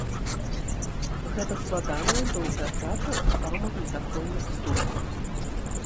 Гэта складаная, доўгая праца па магнітафонных стужках.